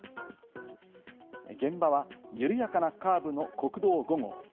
現場は緩やかなカーブの国道５号。